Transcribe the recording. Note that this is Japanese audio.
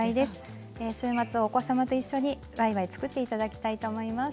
週末お子様と一緒にわいわい作っていただきたいと思います。